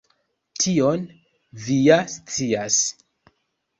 Tion vi ja scias.